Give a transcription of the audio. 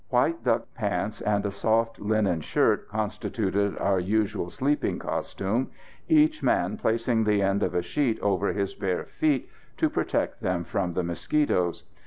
White duck pants and a soft linen shirt constituted our usual sleeping costume; each man placing the end of a sheet over his bare feet to protect them from the mosquitoes.